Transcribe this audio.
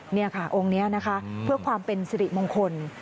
นี่ค่ะองค์นี้นะคะเพื่อความเป็นสิริมงคล